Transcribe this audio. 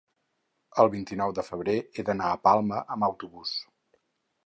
El vint-i-nou de febrer he d'anar a Palma amb autobús.